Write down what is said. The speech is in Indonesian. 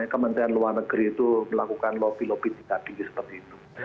kementerian luar negeri itu melakukan lopi lopi tidak tinggi seperti itu